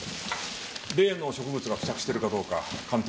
例の植物が付着してるかどうか鑑定をお願いします。